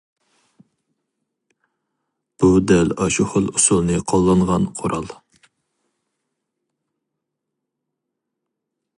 بۇ دەل ئاشۇ خىل ئۇسۇلنى قوللانغان قورال.